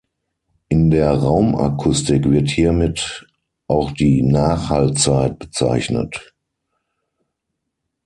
In der Raumakustik wird hiermit auch die Nachhallzeit bezeichnet.